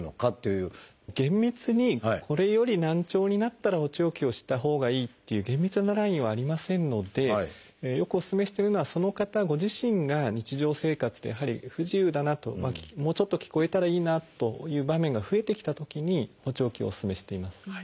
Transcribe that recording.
厳密にこれより難聴になったら補聴器をしたほうがいいっていう厳密なラインはありませんのでよくおすすめしてるのはその方ご自身が日常生活でやはり不自由だなともうちょっと聞こえたらいいなという場面が増えてきたときに補聴器をおすすめしています。